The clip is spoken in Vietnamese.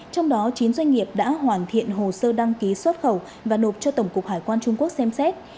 trong đó chín doanh nghiệp đã hoàn thiện hồ sơ đăng ký xuất khẩu và nộp cho tổng cục hải quan trung quốc xem xét